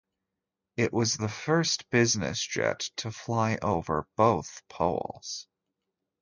It was the first business jet to fly over both poles.